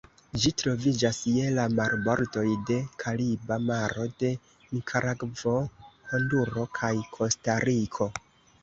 Ĝi troviĝas je la marbordoj de Kariba Maro de Nikaragvo, Honduro, kaj Kostariko.